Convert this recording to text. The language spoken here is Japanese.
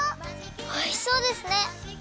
おいしそうですね！